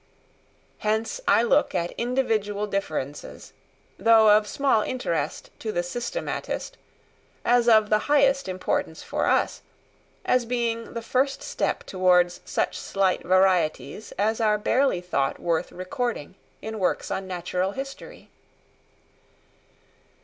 Hence I look at individual differences, though of small interest to the systematist, as of the highest importance for us, as being the first step towards such slight varieties as are barely thought worth recording in works on natural history.